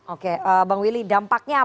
oke bang willy dampaknya apa